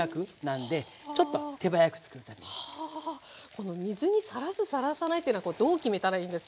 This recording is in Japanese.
この水にさらすさらさないっていうのはどう決めたらいいんですか？